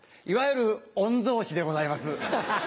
いわゆる御曹司でございます。